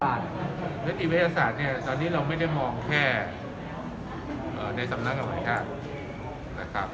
นิติวิทยาศาสตร์เนี่ยตอนนี้เราไม่ได้มองแค่ในสำนักอนาชาตินะครับ